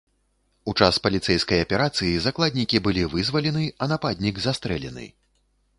У час паліцэйскай аперацыі закладнікі былі вызвалены, а нападнік застрэлены.